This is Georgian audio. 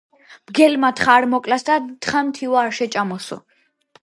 მგელმა თხა არ მოკლას და თხამ თივა არ შეჭამოსო.